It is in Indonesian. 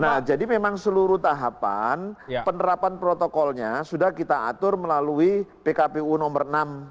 nah jadi memang seluruh tahapan penerapan protokolnya sudah kita atur melalui pkpu nomor enam dua ribu